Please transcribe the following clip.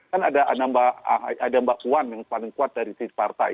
kan ada mbak puan yang paling kuat dari sisi partai